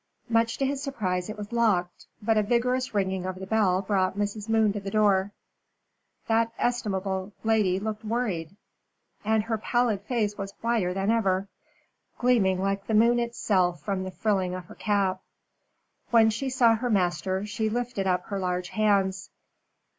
Much to his surprise it was locked, but a vigorous ringing of the bell brought Mrs. Moon to the door. That estimable lady looked worried, and her pallid face was whiter than ever, gleaming like the moon itself from the frilling of her cap. When she saw her master, she lifted up her large hands.